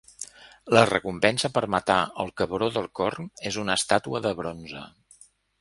La recompensa per matar el cabró del corn és una estàtua de bronze.